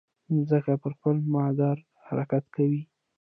مځکه پر خپل مدار حرکت کوي.